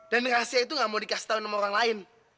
dan rahasia itu gak mau dikasih tauin sama orang lain